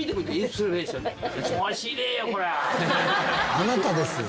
あなたですよ。